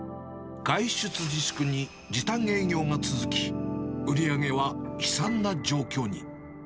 外出自粛に、時短営業が続き、売り上げは悲惨な状況に。